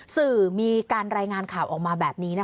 สื่อมีการรายงานข่าวออกมาแบบนี้นะคะ